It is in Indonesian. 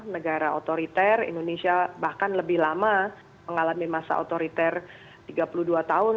negara otoriter indonesia bahkan lebih lama mengalami masa otoriter tiga puluh dua tahun